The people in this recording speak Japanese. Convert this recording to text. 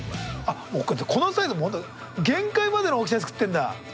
このサイズ本当限界までの大きさに作ってんだ。